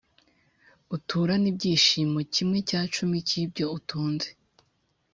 uturane ibyishimo kimwe cya cumi cy’ibyo utunze.